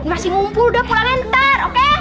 masih ngumpul udah pulangnya ntar oke